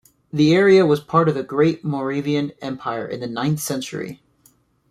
The area was part of the Great Moravian empire in the ninth century.